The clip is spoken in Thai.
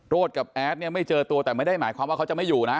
กับแอดเนี่ยไม่เจอตัวแต่ไม่ได้หมายความว่าเขาจะไม่อยู่นะ